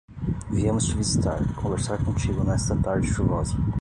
Viemos te visitar, conversar contigo nesta tarde chuvosa.